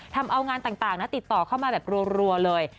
ทำเอางานต่างติดต่อเข้ามาแบบรัวเลย